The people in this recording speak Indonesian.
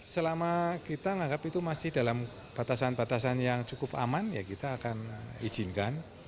selama kita menganggap itu masih dalam batasan batasan yang cukup aman ya kita akan izinkan